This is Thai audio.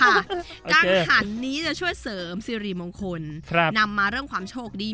การหันนี้จะช่วยเสริมสิริมงคลนำมาเรื่องความโชคดี